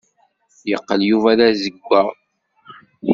Yeqqel Yuba d azeggaɣ.